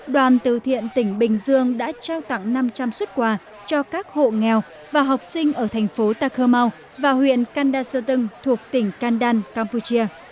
đoàn từ thiện tỉnh bình dương đã trao tặng năm trăm linh xuất quà cho các hộ nghèo và học sinh ở thành phố takhama và huyện kanda shotong thuộc tỉnh kandan campuchia